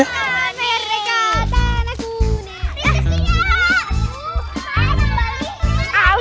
aduh merekata anakku